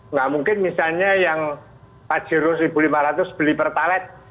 nggak mungkin misalnya yang pak jero seribu lima ratus beli pertalit